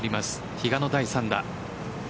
比嘉の第３打。